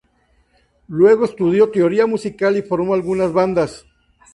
Luego estudió teoría musical y formó algunas bandas.